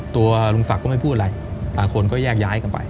ตัวลุงศักดิ์ก็ไม่พูดอะไรคนก็แยกย้ายกันไป